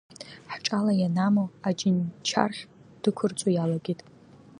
Хҿала ианаму, аџьынчархь дәықәырҵо иалагеит.